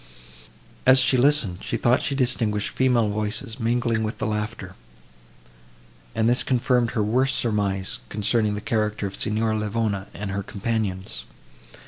As she listened, she thought she distinguished female voices mingling with the laughter, and this confirmed her worst surmise, concerning the character of Signora Livona and her companions.